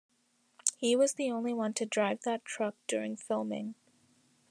He was the only one to drive that truck during filming.